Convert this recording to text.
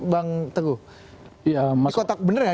bang teguh di kotak bener ya